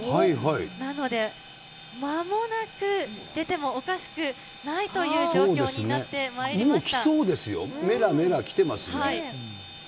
なので、まもなく出てもおかしくないという状況になってまいりました。